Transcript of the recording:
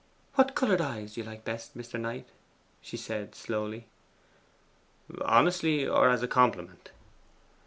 'What coloured eyes do you like best, Mr. Knight?' she said slowly. 'Honestly, or as a compliment?